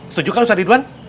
setuju kan ustaz adidwan